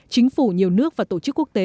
chính phủ nhiều nước và tổ chức quốc tế